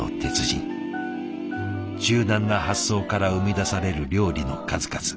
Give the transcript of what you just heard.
柔軟な発想から生み出される料理の数々。